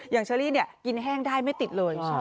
อย่างเชลลี่กินแห้งได้ไม่ติดเลย